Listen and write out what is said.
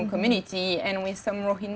dan dengan blogger rohingya